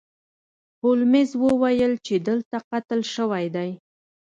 هولمز وویل چې دلته قتل شوی دی.